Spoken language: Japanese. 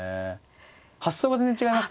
発想が全然違いましたね。